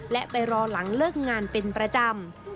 และไปรอหลังเลิกงานเป็นประจำ